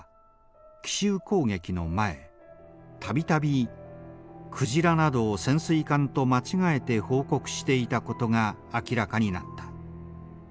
奇襲攻撃の前度々くじらなどを潜水艦と間違えて報告していたことが明らかになった。